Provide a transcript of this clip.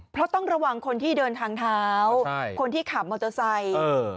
เพราะต้องระวังคนที่เดินทางเท้าคนที่ขับมอเตอร์ไซค์